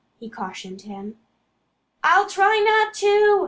he cautioned him. "I'll try not to!"